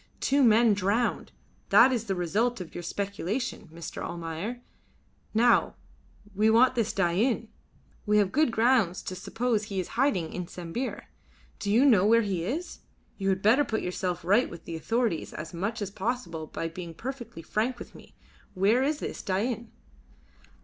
Two men drowned that is the result of your speculation, Mr. Almayer. Now we want this Dain. We have good grounds to suppose he is hiding in Sambir. Do you know where he is? You had better put yourself right with the authorities as much as possible by being perfectly frank with me. Where is this Dain?"